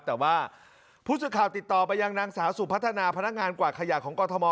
แต่ว่าผู้สื่อข่าวติดต่อไปยังนางสาวสุพัฒนาพนักงานกวาดขยะของกรทม